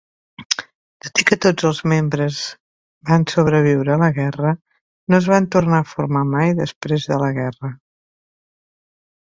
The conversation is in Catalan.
Tot i que tots els membres van sobreviure a la guerra, no es van tornar a formar mai després de la guerra.